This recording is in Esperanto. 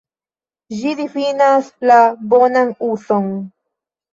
Ĝi difinas la "bonan uzon".